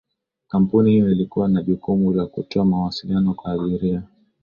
kampuni hiyo ilikuwa na jukumu la kutoa mawasiliano kwa abiria